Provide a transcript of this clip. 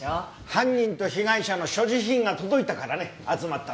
犯人と被害者の所持品が届いたからね集まったの。